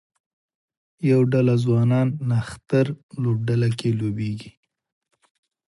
یوه ډله ځوانان نښتر لوبډله کې لوبیږي